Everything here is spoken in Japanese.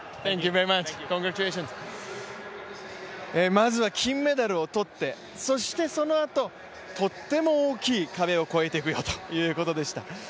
まずは金メダルを取って、そしてそのあととっても大きい壁を越えていくよということでした。